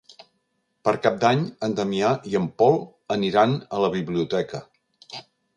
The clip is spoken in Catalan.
Per Cap d'Any en Damià i en Pol aniran a la biblioteca.